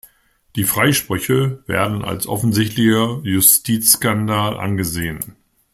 Die Freisprüche werden als offensichtlicher Justizskandal angesehen.